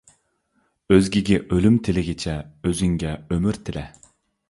ئۆزگىگە ئۆلۈم تىلىگىچە، ئۆزۈڭگە ئۆمۈر تىلە.